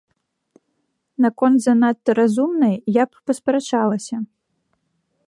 Наконт занадта разумнай я б паспрачалася.